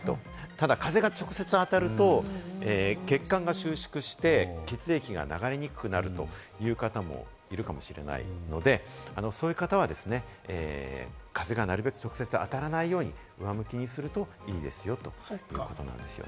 ただ風が直接当たると血管が収縮して血液が流れにくくなるという方もいるかもしれないので、そういう方はですね、風がなるべく直接当たらないように、上向きにするといいですよということなんですよね。